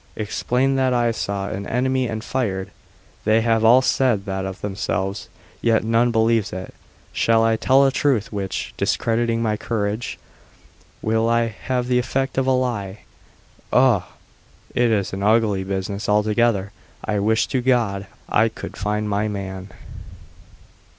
Explain that I saw an enemy and fired? They have all said that of themselves, yet none believes it. Shall I tell a truth which, discrediting my courage, will have the effect of a lie? Ugh! it is an ugly business altogether. I wish to God I could find my man!"